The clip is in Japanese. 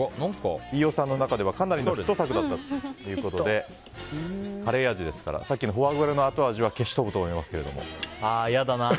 飯尾さんの中ではかなりのヒット作だったということでカレー味ですからさっきのフォアグラの後味は消し飛ぶと思いますけれども。